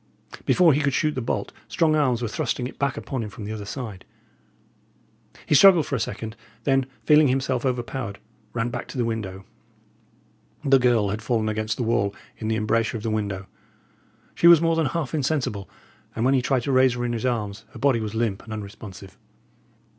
Before he could shoot the bolt, strong arms were thrusting it back upon him from the other side. He struggled for a second; then, feeling himself overpowered, ran back to the window. The girl had fallen against the wall in the embrasure of the window; she was more than half insensible; and when he tried to raise her in his arms, her body was limp and unresponsive.